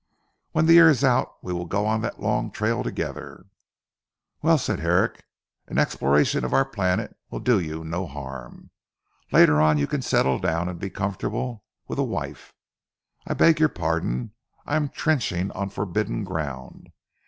"When the year is out we will go on the long trail together." "Well," said Herrick, "an exploration of our planet will do you no harm. Later on you can settle down and be comfortable with a wife I beg your pardon I am trenching on forbidden ground.